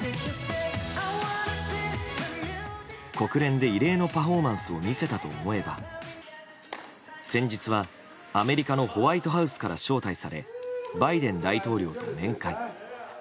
国連で、異例のパフォーマンスを見せたと思えば先日は、アメリカのホワイトハウスから招待されバイデン大統領と面会。